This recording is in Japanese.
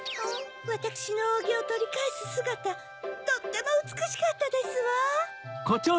わたくしのおうぎをとりかえすすがたとってもうつくしかったですわ。